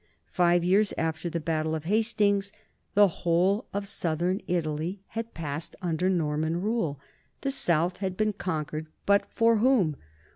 Five years after the battle of Hastings the whole of southern Italy had passed un der Norman rule. The south had been conquered, but for whom?